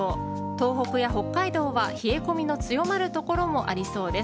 東北や北海道は冷え込みの強まる所もありそうです。